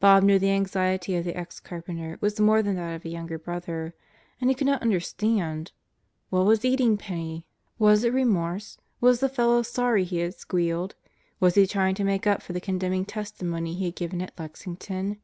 Bob knew the anxiety of the ex carpenter was more than that of a younger brother; and he could not under stand. What was eating Penney? Was it remorse? Was the fellow sorry he had squealed? Was he trying to make up for the condemning testimony he had given at Lexington?